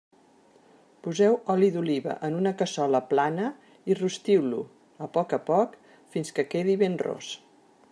Poseu oli d'oliva en una cassola plana i rostiu-lo, a poc a poc, fins que quedi ben ros.